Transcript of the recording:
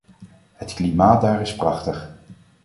Het klimaat daar is prachtig.